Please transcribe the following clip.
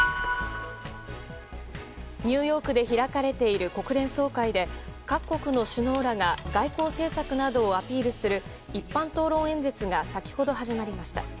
ニューヨークで開かれている国連総会で各国の首脳らが外交政策などをアピールする一般討論演説が先ほど始まりました。